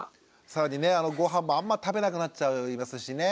更にねごはんもあんま食べなくなっちゃいますしね。